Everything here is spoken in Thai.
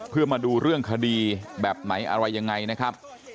เพื่อมาดูเรื่องคดีแบบไหนอะไรยังไงนะครับ